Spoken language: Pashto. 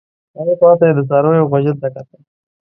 هغې خوا ته یې د څارویو غوجل ته کتل.